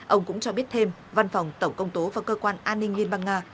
ông cũng cho biết thêm văn phòng tổng công tố và cơ quan an ninh liên bang nga